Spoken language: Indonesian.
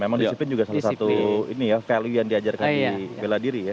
memang disiplin juga salah satu ini ya value yang diajarkan di bela diri ya